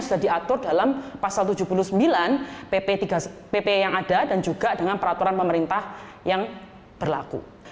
sudah diatur dalam pasal tujuh puluh sembilan pp yang ada dan juga dengan peraturan pemerintah yang berlaku